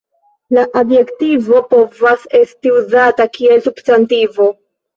La adjektivo povas esti uzata kiel substantivo.